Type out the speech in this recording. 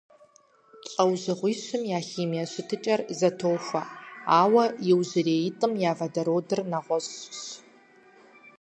ЛӀэужьыгъуищым я химие щытыкӀэр зэтохуэ, ауэ иужьреитӀым я водородыр нэгъуэщӀщ.